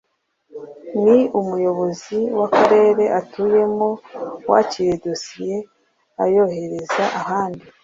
ni umuyobozi w akarere atuyemo wakiriye dosiye ayohereza ahandi